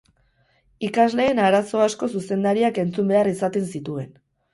Ikasleen arazo asko zuzendariak entzun behar izaten zituen.